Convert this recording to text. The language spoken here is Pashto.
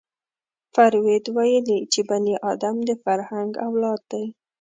فروید ویلي چې بني ادم د فرهنګ اولاد دی